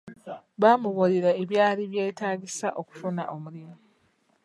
Baamubuulira ebyali byetagisa okufuna omulimu.